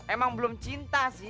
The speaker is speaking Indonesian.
emang belum cinta sih